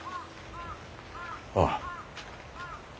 ああ。